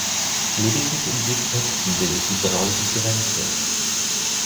Lediglich im Südwesten bildet die Drau die Grenze.